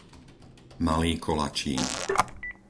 Malý Kolačín